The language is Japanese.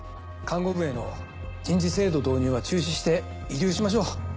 看護部への人事制度導入は中止して慰留しましょう。